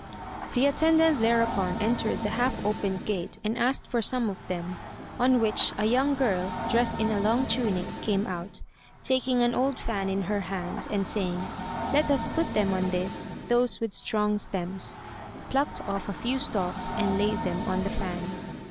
The attendant thereupon entered the half opened gate and asked for some of them, on which a young girl, dressed in a long tunic, came out, taking an old fan in her hand, and saying, "Let us put them on this, those with strong stems," plucked off a few stalks and laid them on the fan.